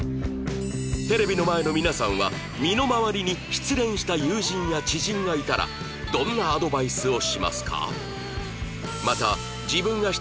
テレビの前の皆さんは身の回りに失恋した友人や知人がいたらどんなアドバイスをしますか？